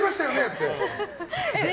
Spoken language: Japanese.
って。